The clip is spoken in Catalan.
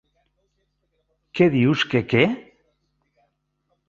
Què dius que què?